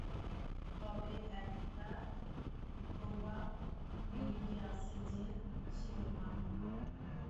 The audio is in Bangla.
তবে একটা প্রবাবিলিটি আছে যে, সে উন্মাদ না।